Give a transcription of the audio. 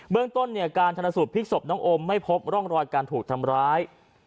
เบื้องต้นการทนสุดภิกด์ศพน้องโอมไม่พบร่องรอยการถูกทำร้าย